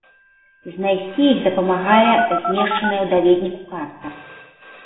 Знайсці іх дапамагае змешчаная ў даведніку карта.